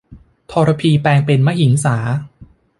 ทรพีแปลงเป็นมหิงสา